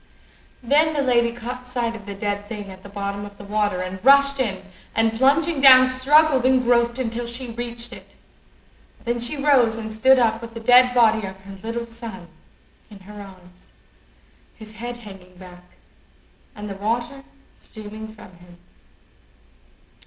Then the lady caught sight of the dead thing at the bottom of the water, and rushed in, and, plunging down, struggled and groped until she reached it. Then she rose and stood up with the dead body of her little son in her arms, his head hanging back, and the water streaming from him.